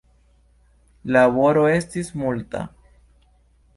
Laboro estis multa.